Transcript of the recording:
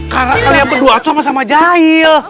karena kalian berdua sama sama jahil